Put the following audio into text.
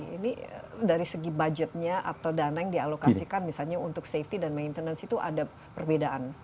ini dari segi budgetnya atau dana yang dialokasikan misalnya untuk safety dan maintenance itu ada perbedaan